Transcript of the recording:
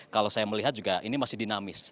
kalau saya melihat juga ini masih dinamis